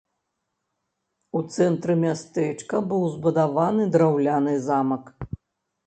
У цэнтры мястэчка быў збудаваны драўляны замак.